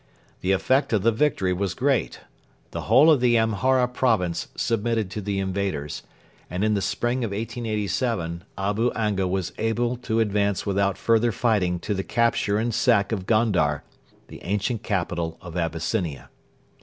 The effect of the victory was great. The whole of the Amhara province submitted to the invaders, and in the spring of 1887 Abu Anga was able to advance without further fighting to the capture and sack of Gondar, the ancient capital of Abyssinia.